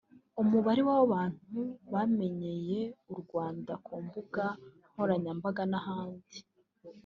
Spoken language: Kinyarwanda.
umubare w’abantu bamenyeye u Rwanda ku mbuga nkoranyamabaga n’ahandi